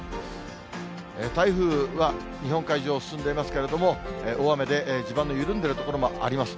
台風は日本海上を進んでいますけれども、大雨で地盤の緩んでいる所もあります。